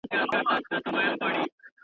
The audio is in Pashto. جانان ته تر منزله رسېدل خو تکل غواړي.